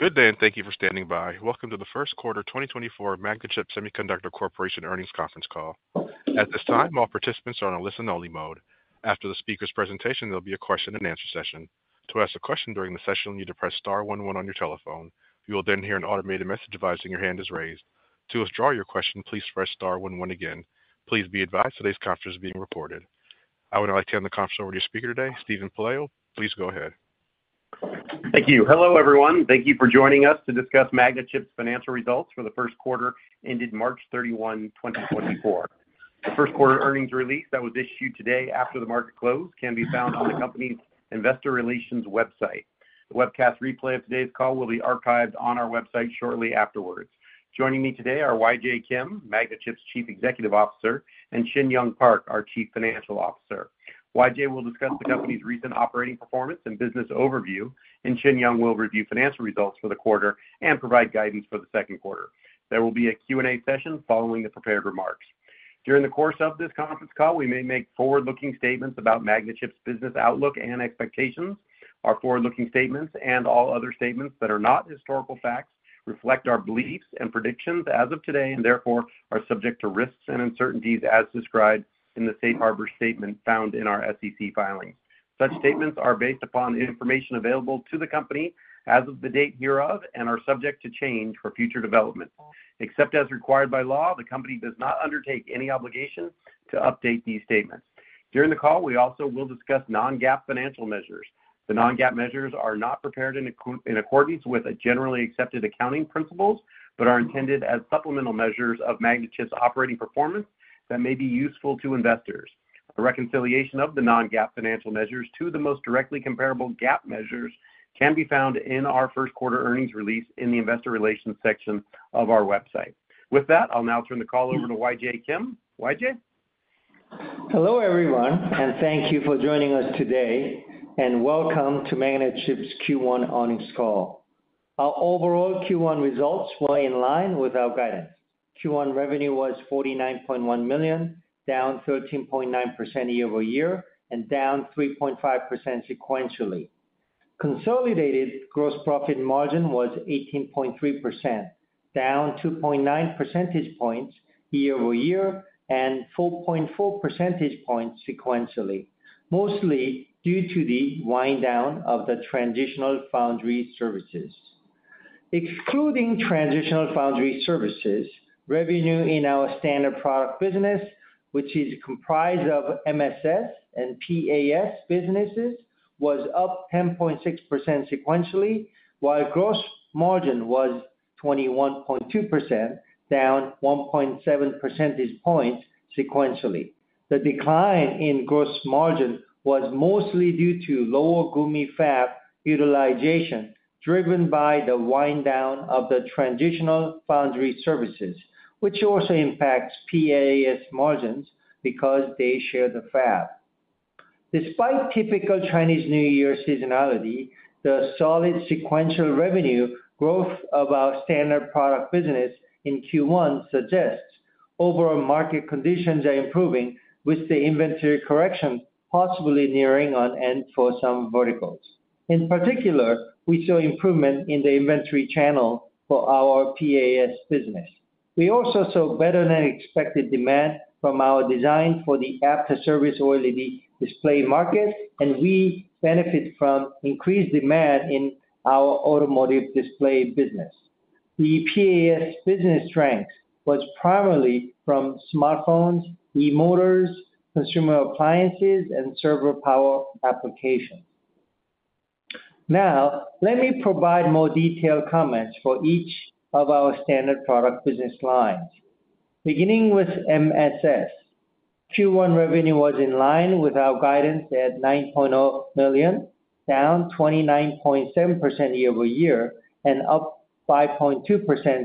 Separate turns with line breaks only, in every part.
Good day, and thank you for standing by. Welcome to the first quarter 2024 Magnachip Semiconductor Corporation earnings conference call. At this time, all participants are on a listen-only mode. After the speaker's presentation, there'll be a question-and-answer session. To ask a question during the session, you need to press star one one on your telephone. You will then hear an automated message advising your hand is raised. To withdraw your question, please press star one one again. Please be advised today's conference is being recorded. I would now like to hand the conference over to your speaker today, Steven Pelayo. Please go ahead.
Thank you. Hello, everyone. Thank you for joining us to discuss Magnachip's financial results for the first quarter, ended March 31, 2024. The first quarter earnings release that was issued today after the market close can be found on the company's investor relations website. The webcast replay of today's call will be archived on our website shortly afterwards. Joining me today are YJ Kim, Magnachip's Chief Executive Officer, and Shinyoung Park, our Chief Financial Officer. YJ will discuss the company's recent operating performance and business overview, and Shinyoung will review financial results for the quarter and provide guidance for the second quarter. There will be a Q&A session following the prepared remarks. During the course of this conference call, we may make forward-looking statements about Magnachip's business outlook and expectations. Our forward-looking statements and all other statements that are not historical facts reflect our beliefs and predictions as of today, and therefore are subject to risks and uncertainties as described in the safe harbor statement found in our SEC filing. Such statements are based upon the information available to the company as of the date hereof and are subject to change for future development. Except as required by law, the company does not undertake any obligation to update these statements. During the call, we also will discuss non-GAAP financial measures. The non-GAAP measures are not prepared in accordance with a generally accepted accounting principles, but are intended as supplemental measures of Magnachip's operating performance that may be useful to investors. A reconciliation of the non-GAAP financial measures to the most directly comparable GAAP measures can be found in our first quarter earnings release in the investor relations section of our website. With that, I'll now turn the call over to YJ Kim. YJ?
Hello, everyone, and thank you for joining us today, and welcome to Magnachip's Q1 earnings call. Our overall Q1 results were in line with our guidance. Q1 revenue was $49.1 million, down 13.9% year-over-year, and down 3.5% sequentially. Consolidated gross profit margin was 18.3%, down 2.9 percentage points year-over-year, and 4.4 percentage points sequentially, mostly due to the wind down of the transitional foundry services. Excluding transitional foundry services, revenue in our standard product business, which is comprised of MSS and PAS businesses, was up 10.6% sequentially, while gross margin was 21.2%, down 1.7 percentage points sequentially. The decline in gross margin was mostly due to lower Gumi fab utilization, driven by the wind down of the transitional foundry services, which also impacts PAS margins because they share the fab. Despite typical Chinese New Year seasonality, the solid sequential revenue growth of our standard product business in Q1 suggests overall market conditions are improving, with the inventory correction possibly nearing an end for some verticals. In particular, we saw improvement in the inventory channel for our PAS business. We also saw better-than-expected demand from our design for the after-service OLED display market, and we benefit from increased demand in our automotive display business. The PAS business strength was primarily from smartphones, e-motors, consumer appliances, and server power applications. Now, let me provide more detailed comments for each of our standard product business lines. Beginning with MSS, Q1 revenue was in line with our guidance at $9.0 million, down 29.7% year-over-year, and up 5.2%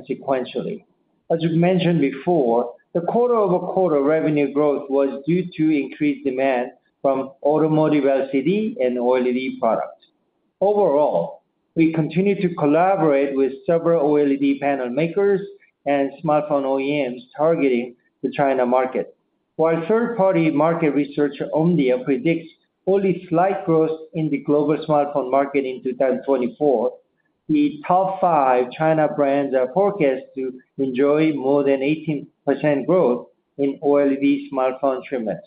sequentially. As we've mentioned before, the quarter-over-quarter revenue growth was due to increased demand from automotive LCD and OLED products. Overall, we continue to collaborate with several OLED panel makers and smartphone OEMs targeting the China market. While third-party market researcher Omdia predicts only slight growth in the global smartphone market in 2024, the top five China brands are forecast to enjoy more than 18% growth in OLED smartphone shipments.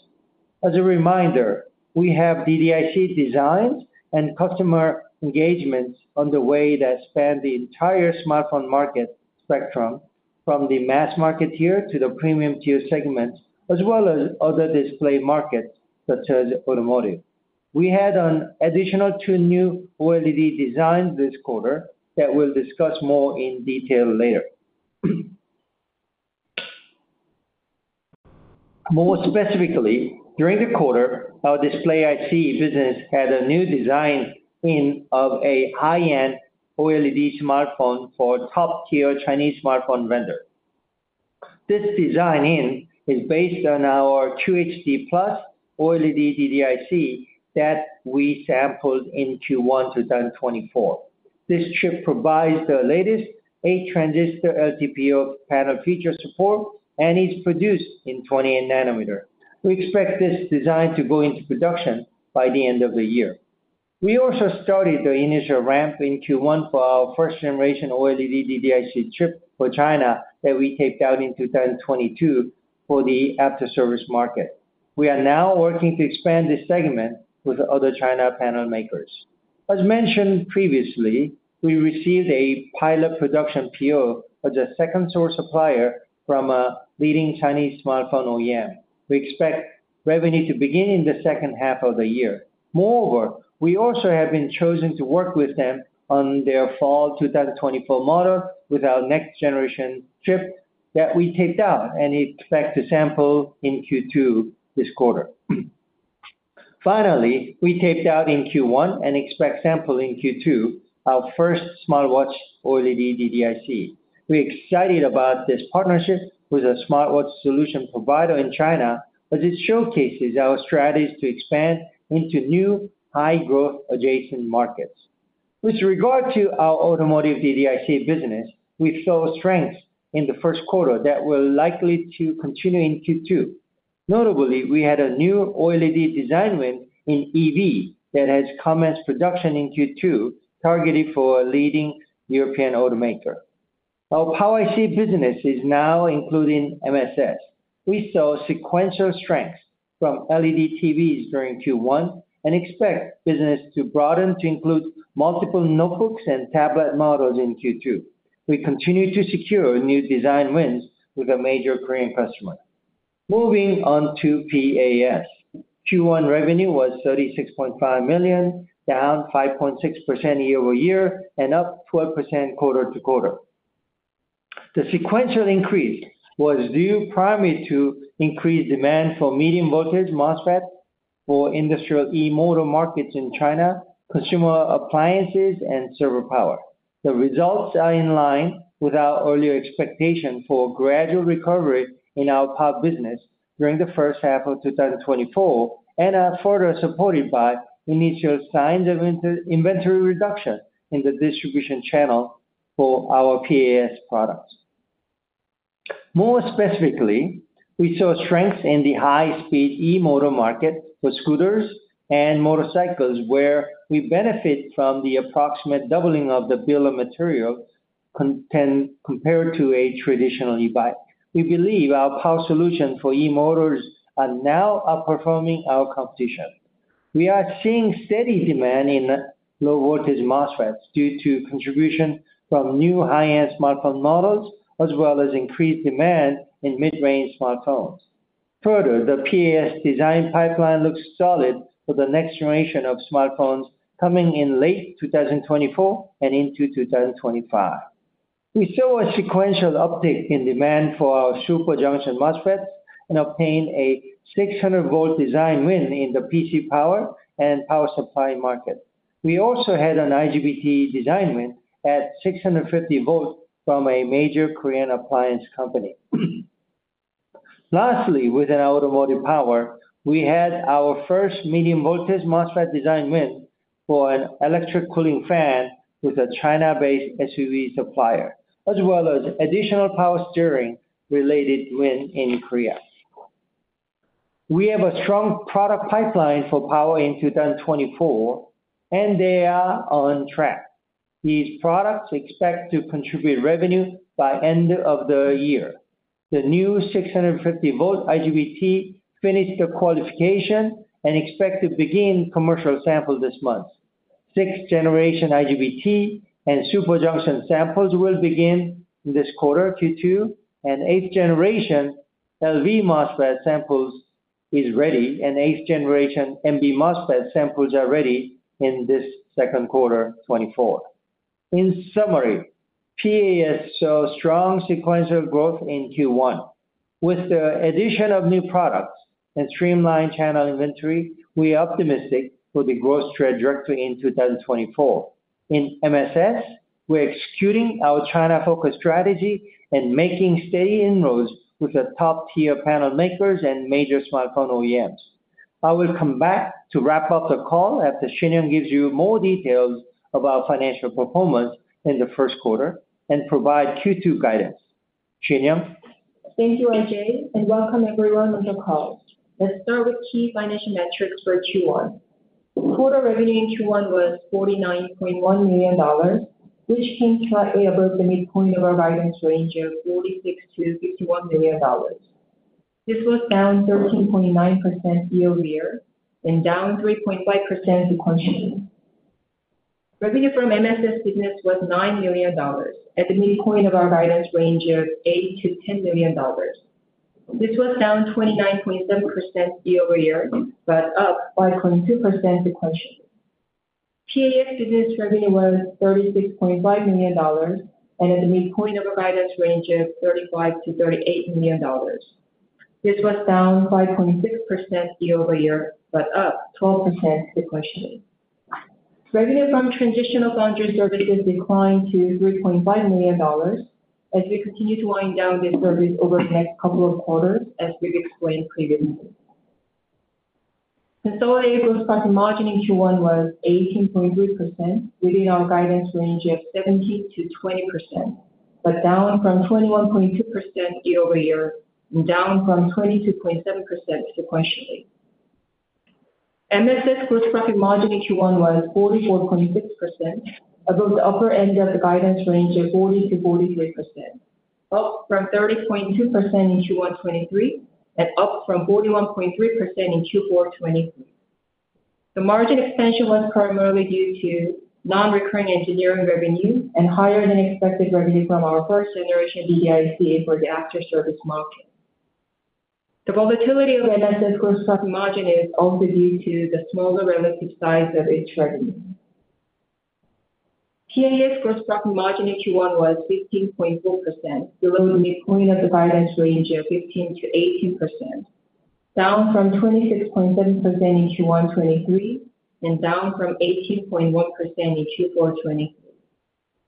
As a reminder, we have DDIC designs and customer engagements on the way that span the entire smartphone market spectrum, from the mass market tier to the premium tier segments, as well as other display markets, such as automotive. We had an additional two new OLED designs this quarter that we'll discuss more in detail later. More specifically, during the quarter, our display IC business had a new design in of a high-end OLED smartphone for top-tier Chinese smartphone vendor. This design in is based on our QHD+ OLED DDIC that we sampled in Q1 2024. This chip provides the latest 8-transistor LTPO panel feature support and is produced in 28 nanometer. We expect this design to go into production by the end of the year. We also started the initial ramp in Q1 for our first generation OLED DDIC chip for China that we taped out in 2022 for the after-service market. We are now working to expand this segment with other China panel makers. As mentioned previously, we received a pilot production PO as a second source supplier from a leading Chinese smartphone OEM. We expect revenue to begin in the second half of the year. Moreover, we also have been chosen to work with them on their fall 2024 model with our next generation chip that we taped out and expect to sample in Q2 this quarter. Finally, we taped out in Q1 and expect sample in Q2, our first smartwatch OLED DDIC. We're excited about this partnership with a smartwatch solution provider in China, as it showcases our strategies to expand into new high-growth adjacent markets. With regard to our automotive DDIC business, we saw strength in the first quarter that will likely to continue in Q2. Notably, we had a new OLED design win in EV that has commenced production in Q2, targeted for a leading European automaker. Our Power IC business is now including MSS. We saw sequential strength from LED TVs during Q1, and expect business to broaden to include multiple notebooks and tablet models in Q2. We continue to secure new design wins with a major Korean customer. Moving on to PAS. Q1 revenue was $36.5 million, down 5.6% year-over-year and up 12% quarter-over-quarter. The sequential increase was due primarily to increased demand for medium-voltage MOSFET for industrial e-motor markets in China, consumer appliances, and server power. The results are in line with our earlier expectation for gradual recovery in our power business during the first half of 2024, and are further supported by initial signs of inventory reduction in the distribution channel for our PAS products. More specifically, we saw strength in the high-speed e-motor market for scooters and motorcycles, where we benefit from the approximate doubling of the bill of material content compared to a traditional e-bike. We believe our power solution for e-motors are now outperforming our competition. We are seeing steady demand in low-voltage MOSFETs due to contribution from new high-end smartphone models, as well as increased demand in mid-range smartphones. Further, the PAS design pipeline looks solid for the next generation of smartphones coming in late 2024 and into 2025. We saw a sequential uptick in demand for our super junction MOSFETs and obtained a 600 volts design win in the PC power and power supply market. We also had an IGBT design win at 650 volts from a major Korean appliance company. Lastly, within automotive power, we had our first medium-voltage MOSFET design win for an electric cooling fan with a China-based SUV supplier, as well as additional power steering-related win in Korea. We have a strong product pipeline for power in 2024, and they are on track. These products expect to contribute revenue by end of the year. The new 650 volt IGBT finished the qualification and expect to begin commercial sample this month. sixth generation IGBT and super junction samples will begin in this quarter, Q2, and eighth generation LV MOSFET samples is ready, and eighth generation MV MOSFET samples are ready in this second quarter, 2024. In summary, PAS saw strong sequential growth in Q1. With the addition of new products and streamlined channel inventory, we are optimistic for the growth trajectory in 2024. In MSS, we're executing our China-focused strategy and making steady inroads with the top-tier panel makers and major smartphone OEMs. I will come back to wrap up the call after Shinyoung gives you more details of our financial performance in the first quarter and provide Q2 guidance. Shinyoung?
Thank you, YJ, and welcome everyone on the call. Let's start with key financial metrics for Q1. Q1 revenue was $49.1 million, which came slightly above the midpoint of our guidance range of $46 million-$51 million. This was down 13.9% year-over-year and down 3.5% sequentially. Revenue from MSS business was $9 million, at the midpoint of our guidance range of $8 million-$10 million. This was down 29.7% year-over-year, but up 5.2% sequentially. PAS business revenue was $36.5 million and at the midpoint of our guidance range of $35 million-$38 million. This was down 5.6% year-over-year, but up 12% sequentially. Revenue from transitional foundry service has declined to $3.5 million, as we continue to wind down this service over the next couple of quarters, as we've explained previously. Consolidated gross profit margin in Q1 was 18.3%, within our guidance range of 17%-20%, but down from 21.2% year-over-year and down from 22.7% sequentially. MSS gross profit margin in Q1 was 44.6%, above the upper end of the guidance range of 40%-43%, up from 30.2% in Q1 2023, and up from 41.3% in Q4 2023. The margin expansion was primarily due to non-recurring engineering revenue and higher than expected revenue from our first generation DDIC for the aftermarket. The volatility of MSS gross profit margin is also due to the smaller relative size of its revenue. PAS gross profit margin in Q1 was 15.4%, below the midpoint of the guidance range of 15%-18%, down from 26.7% in Q1 2023, and down from 18.1% in Q4 2023.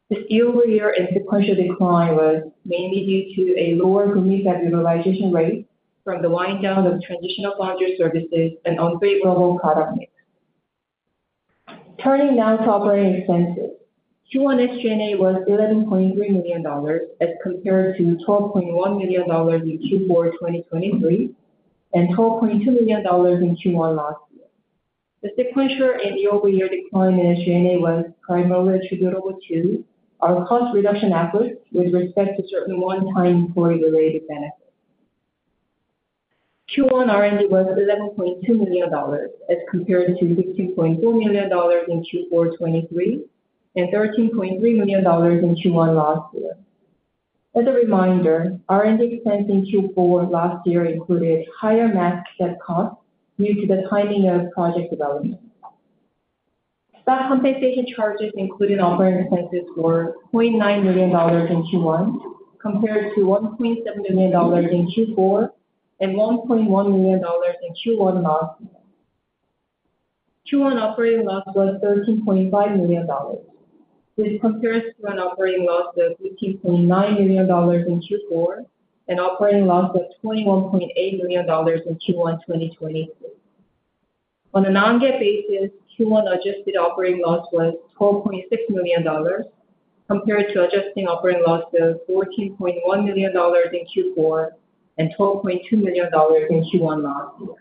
This year-over-year and sequential decline was mainly due to a lower Gumi fab utilization rate from the wind down of traditional foundry services and unfavorable product mix. Turning now to operating expenses. Q1 SG&A was $11.3 million as compared to $12.1 million in Q4 2023, and $12.2 million in Q1 last year. The sequential and year-over-year decline in SG&A was primarily attributable to our cost reduction efforts with respect to certain one-time COVID-related benefits. Q1 R&D was $11.2 million, as compared to $16.4 million in Q4 2023, and $13.3 million in Q1 last year. As a reminder, R&D expense in Q4 last year included higher mask set costs due to the timing of project development. Stock compensation charges included operating expenses were $0.9 million in Q1, compared to $1.7 million in Q4, and $1.1 million in Q1 last year. Q1 operating loss was $13.5 million. This compares to an operating loss of $15.9 million in Q4, and operating loss of $21.8 million in Q1 2023. On a non-GAAP basis, Q1 adjusted operating loss was $12.6 million, compared to adjusted operating loss of $14.1 million in Q4, and $12.2 million in Q1 last year.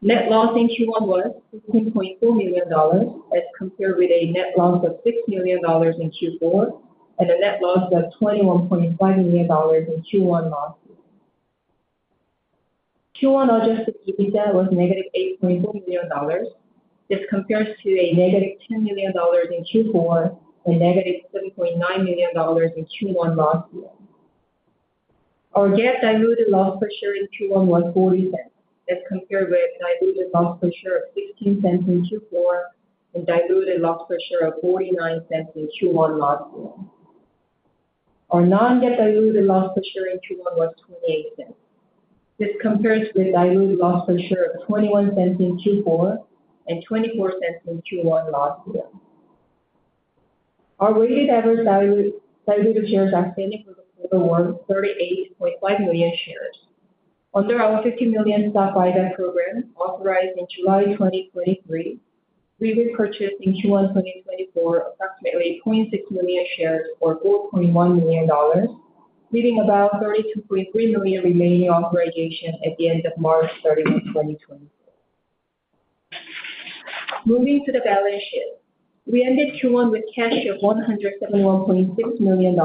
Net loss in Q1 was $16.4 million, as compared with a net loss of $6 million in Q4, and a net loss of $21.5 million in Q1 last year. Q1 adjusted EBITDA was -$8.4 million. This compares to -$10 million in Q4, and -$7.9 million in Q1 last year. Our GAAP diluted loss per share in Q1 was $0.40, as compared with diluted loss per share of $0.16 in Q4, and diluted loss per share of $0.49 in Q1 last year. Our non-GAAP diluted loss per share in Q1 was $0.28. This compares with diluted loss per share of $0.21 in Q4, and $0.24 in Q1 last year. Our weighted average diluted shares outstanding for the quarter was 38.5 million shares. Under our $50 million stock buyback program, authorized in July 2023, we repurchased in Q1 2024, approximately 0.6 million shares, or $4.1 million, leaving about $32.3 million remaining authorization at the end of March 31, 2024. Moving to the balance sheet. We ended Q1 with cash of $171.6 million,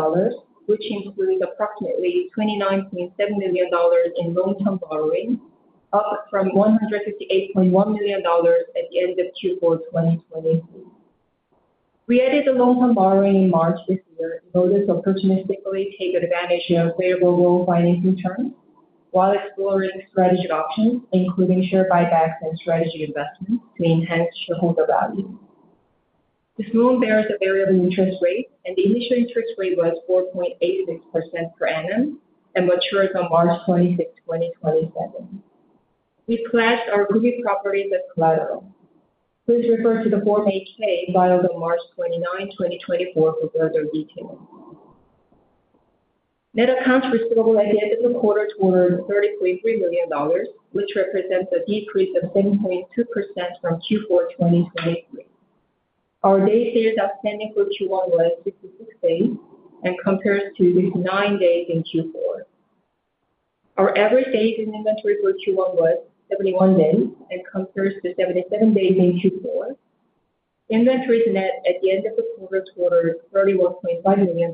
which includes approximately $29.7 million in long-term borrowing, up from $158.1 million at the end of Q4 2023. We added the long-term borrowing in March this year in order to opportunistically take advantage of favorable loan financing terms while exploring strategic options, including share buybacks and strategy investments to enhance shareholder value. This loan bears a variable interest rate, and the initial interest rate was 4.86% per annum and matures on March 26th, 2027. We pledged our Gumi properties as collateral. Please refer to the Form 8-K, filed on March 29, 2024 for further details. Net accounts receivable at the end of the quarter were $30.3 million, which represents a decrease of 10.2% from Q4 2023. Our days sales outstanding for Q1 was 56 days, and compares to 59 days in Q4. Our average days in inventory for Q1 was 71 days, and compares to 77 days in Q4. Inventories net at the end of the quarter were $31.5 million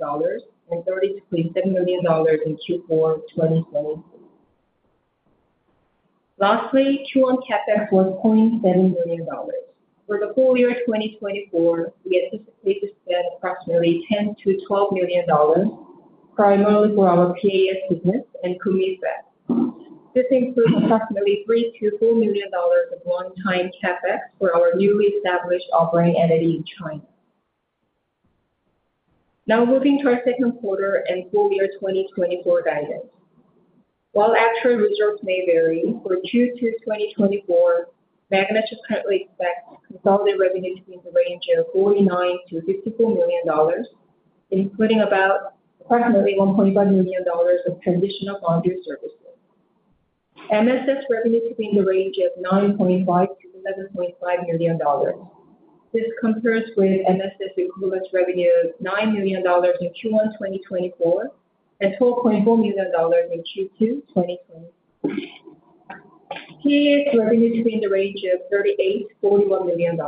and $32.7 million in Q4 2023. Lastly, Q1 CapEx was $0.7 million. For the full year 2024, we anticipate to spend approximately $10 million-$12 million, primarily for our PAS business and Gumi fab. This includes approximately $3 million-$4 million of one-time CapEx for our newly established operating entity in China. Now moving to our second quarter and full year 2024 guidance. While actual results may vary for Q2 2024, Magnachip currently expects consolidated revenue to be in the range of $49 million-$54 million, including about approximately $1.5 million of transitional foundry services. MSS revenue to be in the range of $9.5 million-$11.5 million. This compares with MSS equivalent revenue of $9 million in Q1 2024 and $12.4 million in Q2 2023. PAS revenue to be in the range of $38 million-$41 million.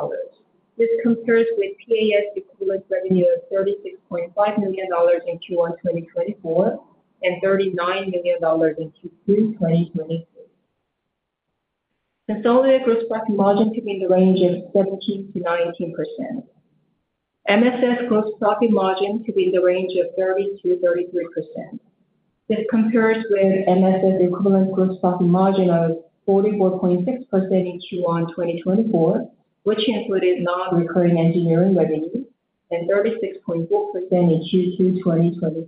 This compares with PAS equivalent revenue of $36.5 million in Q1 2024, and $39 million in Q2 2023. Consolidated gross profit margin to be in the range of 17%-19%. MSS gross profit margin to be in the range of 30%-33%. This compares with MSS equivalent gross profit margin of 44.6% in Q1 2024, which included non-recurring engineering revenue, and 36.4% in Q2 2023.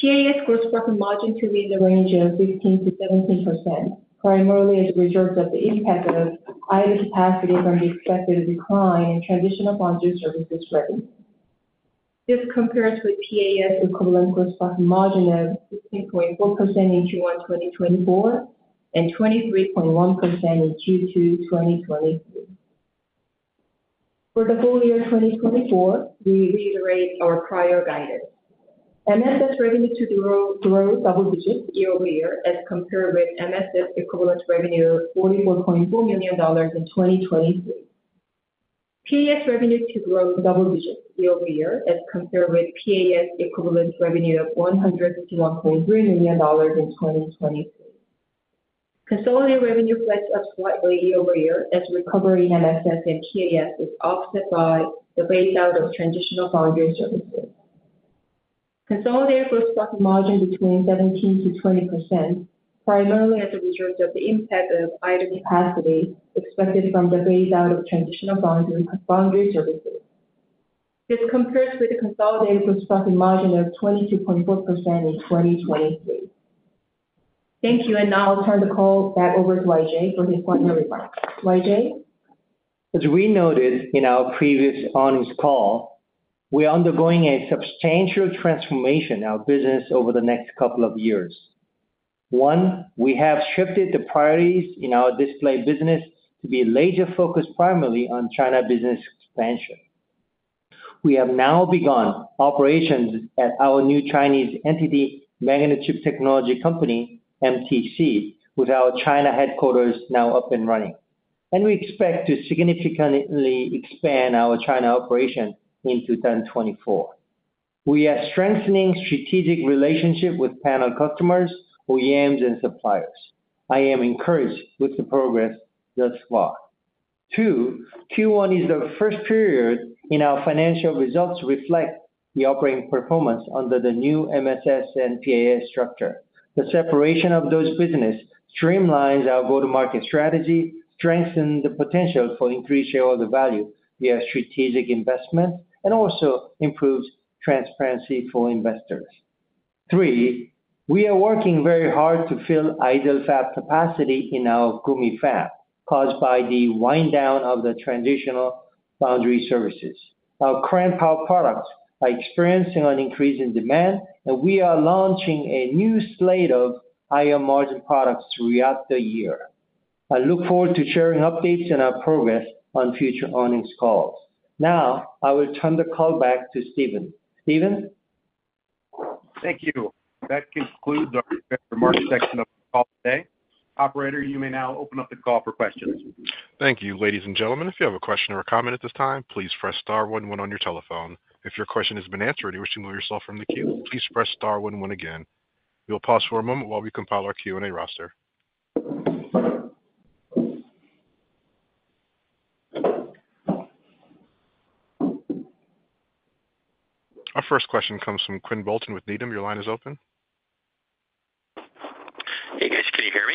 PAS gross profit margin to be in the range of 15%-17%, primarily as a result of the impact of idle capacity from the expected decline in transitional foundry services revenue. This compares with PAS equivalent gross profit margin of 16.4% in Q1 2024, and 23.1% in Q2 2023. For the full year 2024, we reiterate our prior guidance. MSS revenue to grow double digits year-over-year as compared with MSS equivalent revenue of $44.4 million in 2023. PAS revenue to grow double digits year-over-year as compared with PAS equivalent revenue of $161.3 million in 2023. Consolidated revenue growth up slightly year-over-year as recovery in MSS and PAS is offset by the phase out of transitional foundry services. Consolidated gross profit margin between 17%-20%, primarily as a result of the impact of idle capacity expected from the phase out of transitional foundry services. This compares with the consolidated gross profit margin of 22.4% in 2023. Thank you, and now I'll turn the call back over to YJ for his final remarks. YJ?
As we noted in our previous earnings call, we are undergoing a substantial transformation in our business over the next couple of years. One, we have shifted the priorities in our display business to be laser focused primarily on China business expansion. We have now begun operations at our new Chinese entity, Magnachip Technology Company, MTC, with our China headquarters now up and running, and we expect to significantly expand our China operation in 2024. We are strengthening strategic relationship with panel customers, OEMs, and suppliers. I am encouraged with the progress thus far. Two, Q1 is the first period in our financial results reflect the operating performance under the new MSS and PAS structure. The separation of those business streamlines our go-to-market strategy, strengthen the potential for increased shareholder value via strategic investment, and also improves transparency for investors. Three, we are working very hard to fill idle fab capacity in our Gumi fab, caused by the wind down of the Transitional Foundry Services. Our power products are experiencing an increase in demand, and we are launching a new slate of higher margin products throughout the year. I look forward to sharing updates on our progress on future earnings calls. Now, I will turn the call back to Steven. Steven?
Thank you. That concludes our prepared remarks section of the call today. Operator, you may now open up the call for questions.
Thank you, ladies and gentlemen. If you have a question or a comment at this time, please press star one one on your telephone. If your question has been answered and you wish to remove yourself from the queue, please press star one one again. We'll pause for a moment while we compile our Q&A roster. Our first question comes from Quinn Bolton with Needham. Your line is open.
Hey, guys, can you hear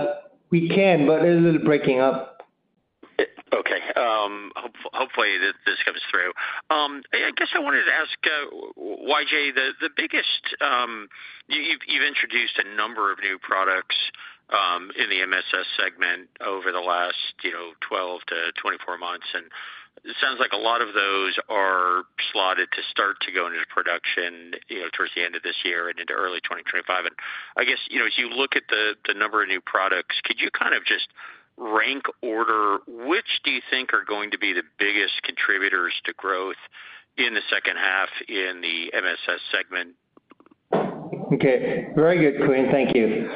me?
We can, but it is breaking up.
Hopefully this comes through. I guess I wanted to ask, YJ, the biggest... You've introduced a number of new products in the MSS segment over the last, you know, 12-24 months, and it sounds like a lot of those are slotted to start to go into production, you know, towards the end of this year and into early 2025. And I guess, you know, as you look at the number of new products, could you kind of just rank order, which do you think are going to be the biggest contributors to growth in the second half in the MSS segment?
Okay, very good, Quinn. Thank you.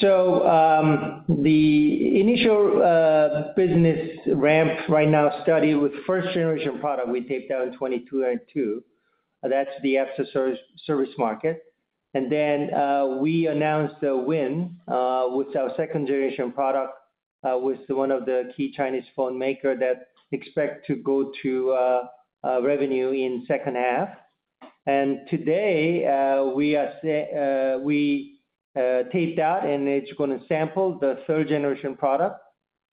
So, the initial business ramp right now study with first generation product, we taped out in 2022. That's the after service, service market. And then, we announced the win with our second generation product with one of the key Chinese phone maker that expect to go to revenue in second half. And today, we taped out, and it's gonna sample the third generation product,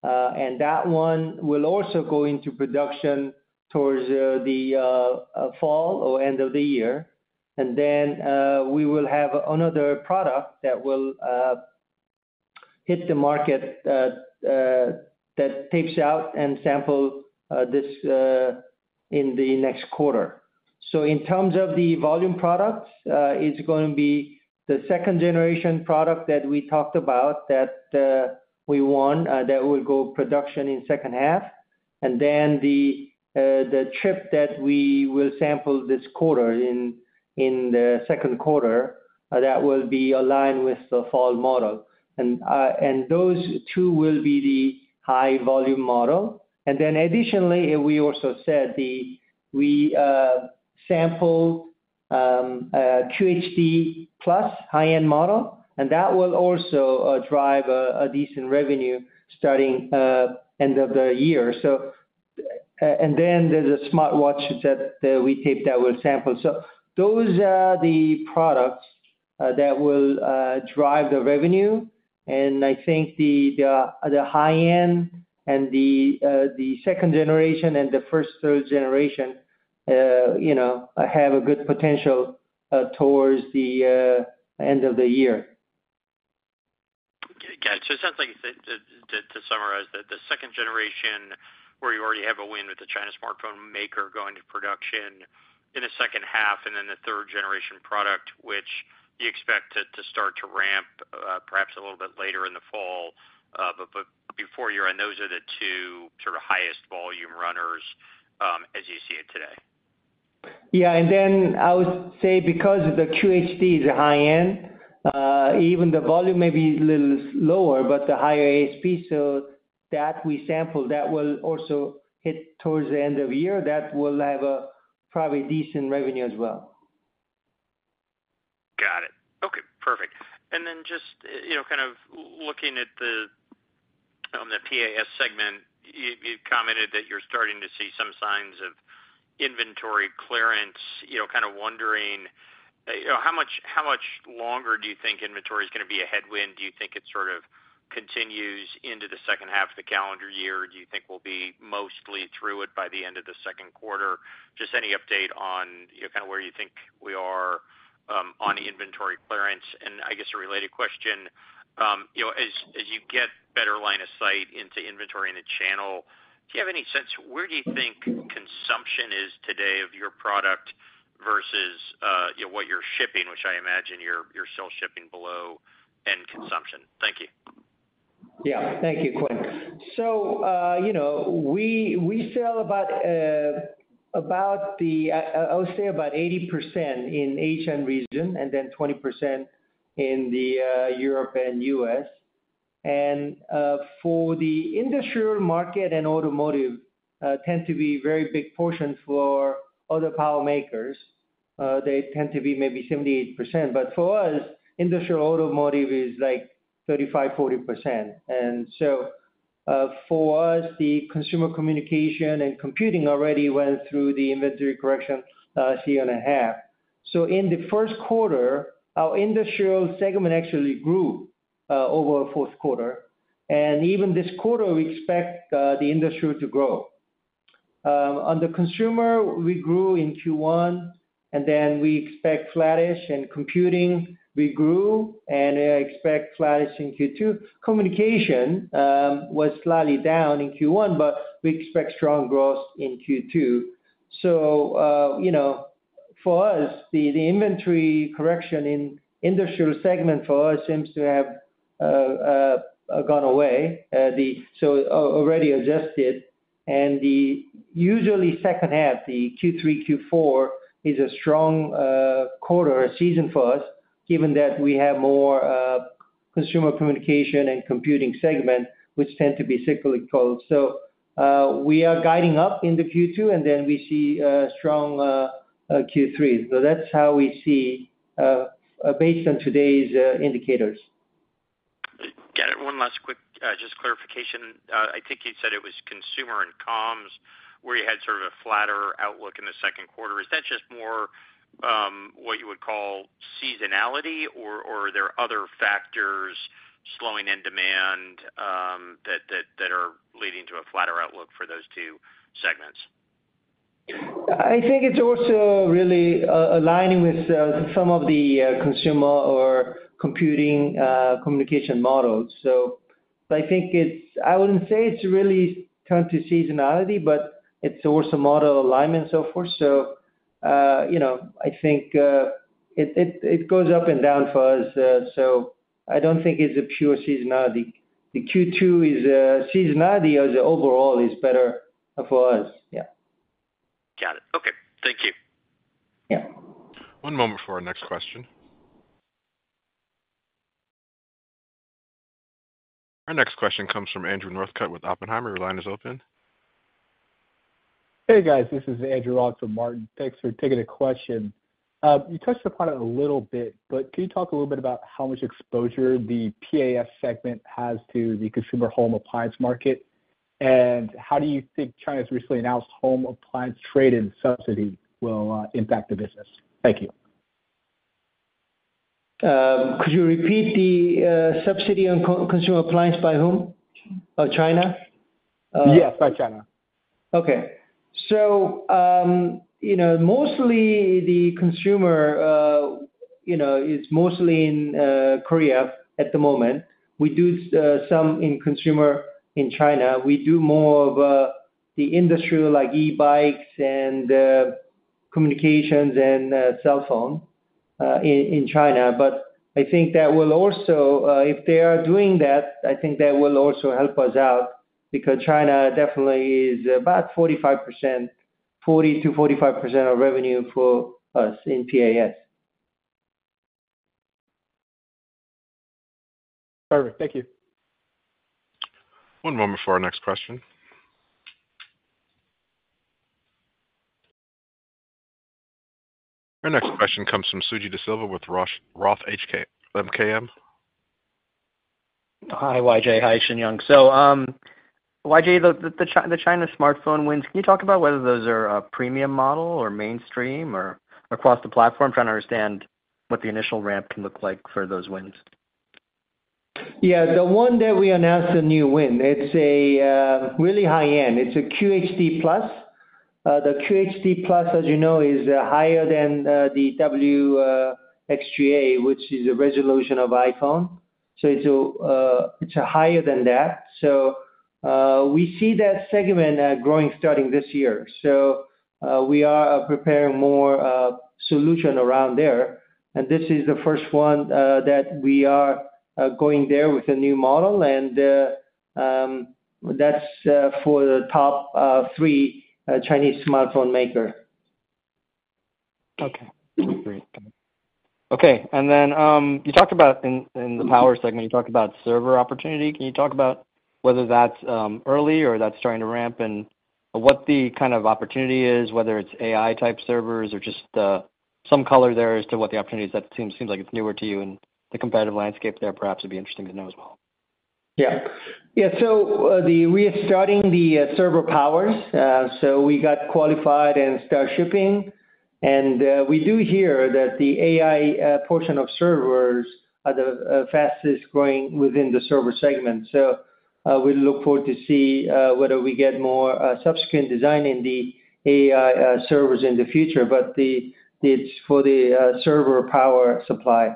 and that one will also go into production towards the fall or end of the year. And then, we will have another product that will hit the market that tapes out and sample this in the next quarter. So in terms of the volume products, it's going to be the second generation product that we talked about that we won that will go production in second half. And then the chip that we will sample this quarter in the second quarter, that will be aligned with the fall model. And those two will be the high volume model. And then additionally, we also said we sample QHD+ high-end model, and that will also drive a decent revenue starting end of the year. So and then there's a smartwatch that we taped that will sample. So those are the products that will drive the revenue, and I think the high end and the second generation and the first third generation, you know, have a good potential towards the end of the year.
Got it. So it sounds like, to summarize, that the second generation, where you already have a win with the China smartphone maker, going to production in the second half, and then the third generation product, which you expect it to start to ramp, perhaps a little bit later in the fall, but before year-end, those are the two sort of highest volume runners, as you see it today?
Yeah, and then I would say because the QHD is high-end, even the volume may be a little lower, but the higher ASP, so that we sample, that will also hit towards the end of the year. That will have a probably decent revenue as well.
Got it. Okay, perfect. And then just, you know, kind of looking at the, the PAS segment, you, you commented that you're starting to see some signs of inventory clearance, you know, kind of wondering, you know, how much, how much longer do you think inventory is gonna be a headwind? Do you think it sort of continues into the second half of the calendar year? Do you think we'll be mostly through it by the end of the second quarter? Just any update on, you know, kind of where you think we are, on the inventory clearance. I guess a related question, you know, as you get better line of sight into inventory in the channel, do you have any sense where do you think consumption is today of your product versus, you know, what you're shipping, which I imagine you're still shipping below end consumption? Thank you.
Yeah. Thank you, Quinn. So, you know, we sell about 80% in Asian region, and then 20% in Europe and U.S. And, for the industrial market and automotive, tend to be very big portions for other power makers, they tend to be maybe 78%. But for us, industrial automotive is, like, 35%-40%. And so, for us, the consumer communication and computing already went through the inventory correction year and a half. So in the first quarter, our industrial segment actually grew over the fourth quarter, and even this quarter, we expect the industrial to grow. On the consumer, we grew in Q1, and then we expect flattish. In computing, we grew, and I expect flattish in Q2. Communication was slightly down in Q1, but we expect strong growth in Q2. So, you know, for us, the inventory correction in industrial segment for us seems to have gone away, so already adjusted. And the usually second half, the Q3, Q4, is a strong quarter, season for us, given that we have more consumer communication and computing segment, which tend to be cyclically close. So, we are guiding up in the Q2, and then we see strong Q3. So that's how we see based on today's indicators.
Got it. One last quick, just clarification. I think you said it was consumer and comms, where you had sort of a flatter outlook in the second quarter. Is that just more, what you would call seasonality, or are there other factors slowing in demand, that are leading to a flatter outlook for those two segments?
I think it's also really aligning with some of the consumer or computing communication models. So I think it's, I wouldn't say it's really come to seasonality, but it's also model alignment, so forth. So, you know, I think it goes up and down for us, so I don't think it's a pure seasonality. The Q2 is seasonality as overall is better for us. Yeah.
Got it. Okay. Thank you.
Yeah.
One moment for our next question. Our next question comes from Andrew Northcutt with Oppenheimer. Your line is open.
Hey, guys, this is Andrew Northcutt. Thanks for taking the question. You touched upon it a little bit, but can you talk a little bit about how much exposure the PAS segment has to the consumer home appliance market? And how do you think China's recently announced home appliance trade and subsidy will impact the business? Thank you....
Could you repeat the subsidy on consumer appliance by whom? By China?
Yes, by China.
Okay. So, you know, mostly the consumer, you know, is mostly in Korea at the moment. We do some in consumer in China. We do more of the industrial, like e-bikes and communications and cell phone in China. But I think that will also, if they are doing that, I think that will also help us out, because China definitely is about 45%, 40%-45% of revenue for us in PAS.
Perfect. Thank you.
One moment for our next question. Our next question comes from Suji Desilva with ROTH MKM.
Hi, YJ. Hi, Shinyoung. So, YJ, the China smartphone wins, can you talk about whether those are a premium model or mainstream or across the platform? Trying to understand what the initial ramp can look like for those wins.
Yeah, the one that we announced, the new win, it's a really high-end. It's a QHD+. The QHD+, as you know, is higher than the WXGA, which is a resolution of iPhone. So it's higher than that. So we see that segment growing starting this year. So we are preparing more solution around there, and this is the first one that we are going there with a new model, and that's for the top three Chinese smartphone maker.
Okay. Great. Okay, and then you talked about in the power segment, you talked about server opportunity. Can you talk about whether that's early or that's starting to ramp, and what the kind of opportunity is, whether it's AI-type servers or just some color there as to what the opportunity is? That seems like it's newer to you and the competitive landscape there perhaps would be interesting to know as well.
Yeah. Yeah, so we are starting the server powers, so we got qualified and start shipping. And we do hear that the AI portion of servers are the fastest growing within the server segment. So we look forward to see whether we get more subsequent design in the AI servers in the future, but it's for the server power supply.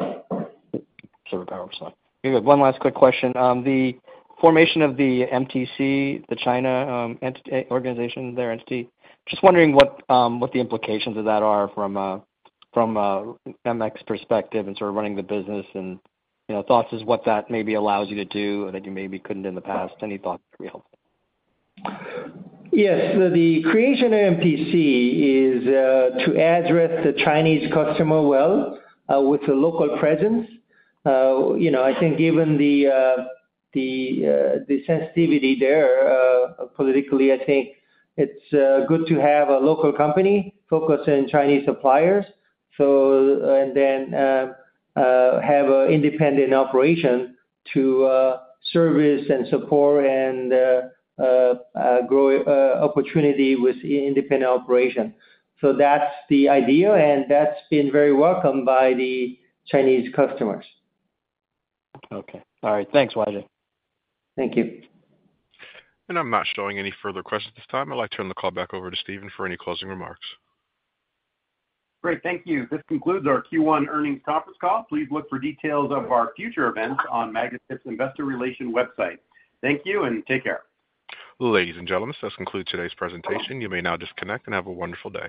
Server power supply. Okay, good. One last quick question. The formation of the MTC, the China, entity, organization there, entity, just wondering what, what the implications of that are from a, from a MX perspective and sort of running the business and, you know, thoughts as what that maybe allows you to do that you maybe couldn't in the past. Any thoughts would be helpful.
Yes. The creation of MTC is to address the Chinese customer well with a local presence. You know, I think given the sensitivity there politically, I think it's good to have a local company focused on Chinese suppliers, so, and then have a independent operation to service and support and grow opportunity with independent operation. So that's the idea, and that's been very welcomed by the Chinese customers.
Okay. All right. Thanks, YJ.
Thank you.
I'm not showing any further questions at this time. I'd like to turn the call back over to Steven for any closing remarks.
Great. Thank you. This concludes our Q1 earnings conference call. Please look for details of our future events on Magnachip's investor relations website. Thank you, and take care.
Ladies and gentlemen, this concludes today's presentation. You may now disconnect and have a wonderful day.